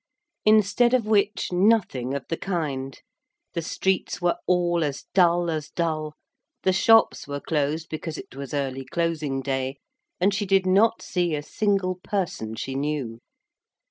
Instead of which nothing of the kind. The streets were all as dull as dull, the shops were closed because it was early closing day, and she did not see a single person she knew.